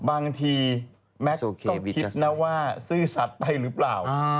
บางทีแมทก็คิดนะว่าซื่อสัตว์ไปหรือเปล่า